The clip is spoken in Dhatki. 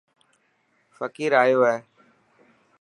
فقير ايو هي.